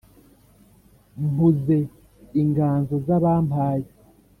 mpuze inganzo z’abampaye